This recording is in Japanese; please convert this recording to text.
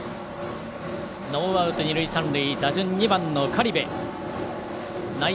ノーアウト二塁三塁で打順は２番の苅部。